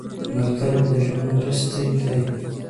ملګری د ژوند مرستې دی